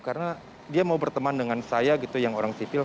karena dia mau berteman dengan saya gitu yang orang sipil